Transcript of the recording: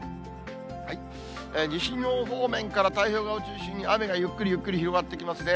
西日本方面から太平洋側を中心に雨がゆっくりゆっくり広がってきますね。